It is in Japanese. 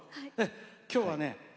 今日はね